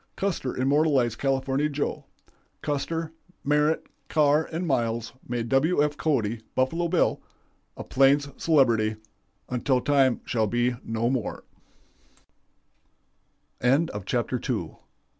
Custer immortalized California Joe. Custer, Merritt, Carr, and Miles made William F. Cody ('Buffalo Bill') a plains celebrity 'until time shall be no more'." CHAPTER III.